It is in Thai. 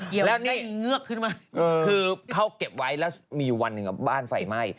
เกี่ยวอยู่ใกล้เงือกขึ้นมาแล้วนี่คือเขาเก็บไว้แล้วมีวันหนึ่งบ้านไฟไหม้